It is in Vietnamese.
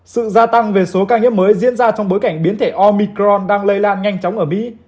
sự gia tăng về số ca nhiễm mới diễn ra trong bối cảnh biến thể omicron đang lây lan nhanh chóng ở mỹ